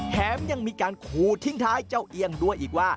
แถมยังมีการขู่ทิ้งท้ายเจ้าเอียงด้วยอีกว่า